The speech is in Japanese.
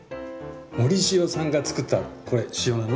盛塩さんが作ったこれ塩なの？